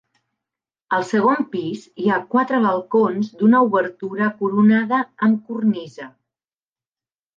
Al segon pis hi ha quatre balcons d'una obertura coronada amb cornisa.